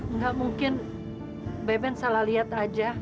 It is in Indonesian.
nggak mungkin beben salah lihat aja